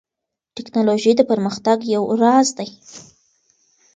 ټیکنالوژي د پرمختګ یو راز دی.